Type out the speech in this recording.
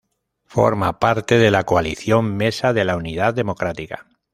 Forma parte de la coalición Mesa de la Unidad Democrática.